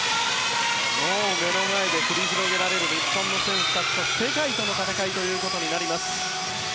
目の前で繰り広げられる日本の選手たちと世界との戦いとなります。